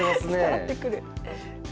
伝わってくる。